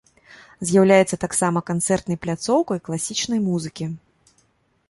З'яўляецца таксама канцэртнай пляцоўкай класічнай музыкі.